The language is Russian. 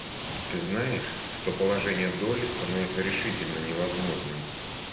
Ты знаешь, что положение Долли становится решительно невозможным?